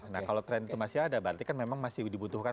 nah kalau tren itu masih ada berarti kan memang masih dibutuhkan